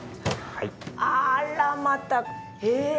あらまたへえ。